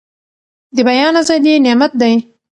د بيان ازادي نعمت دی.